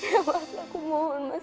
ya mas aku mohon mas